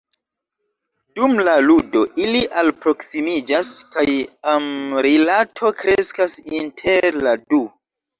Dum la ludo, ili alproksimiĝas kaj amrilato kreskas inter la du.